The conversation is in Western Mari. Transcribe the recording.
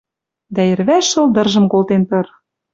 Дӓ йӹрвӓш шылдыржым колтен тыр.